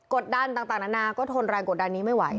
ดันต่างนานาก็ทนแรงกดดันนี้ไม่ไหว